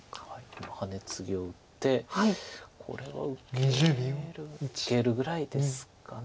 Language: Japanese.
今ハネツギを打ってこれは受けるぐらいですか。